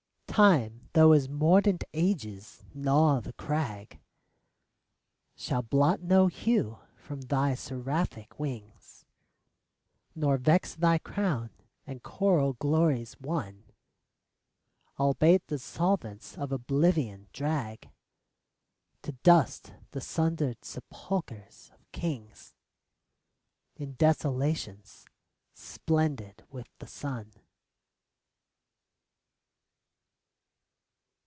Time, tho' his mordant ages gnaw the crag, Shall blot no hue from thy seraphic wings Nor vex thy crown and choral glories won, Albeit the solvents of Oblivion drag To dust the sundered sepulchers of kings, In desolations splendid with the sun.